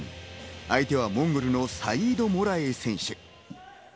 相手はモンゴルのサイード・モラエイ選手。